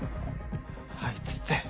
あいつって？